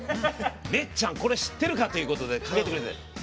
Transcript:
「めっちゃんこれ知ってるか」ということでかけてくれて。